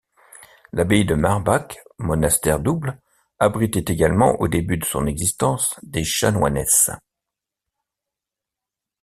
L'abbaye de Marbach, monastère double, abritait également au début de son existence des chanoinesses.